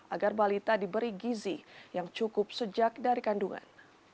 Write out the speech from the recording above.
agar balita diberi gizi yang cukup sejak dari kandungan